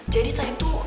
jadi tadi tuh